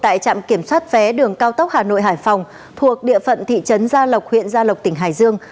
tỉnh ninh giang kiểm soát vé đường cao tốc hà nội hải phòng thuộc địa phận thị trấn gia lộc huyện gia lộc tỉnh hải dương